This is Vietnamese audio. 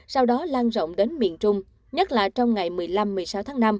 sau đó lan rộng đến miền trung nhất là trong ngày một mươi năm một mươi sáu tháng năm